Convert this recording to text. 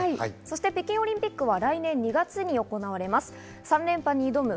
北京オリンピックは来年２月に行われます。